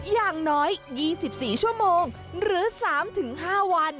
อย่างน้อย๒๔ชั่วโมงหรือ๓๕วัน